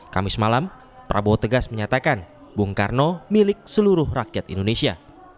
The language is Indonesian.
kamis malam prabowo tegas menyatakan bung karno milik seluruh rakyat indonesia